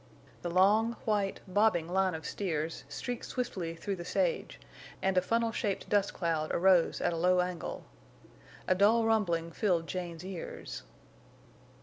The long, white, bobbing line of steers streaked swiftly through the sage, and a funnel shaped dust cloud arose at a low angle. A dull rumbling filled Jane's ears.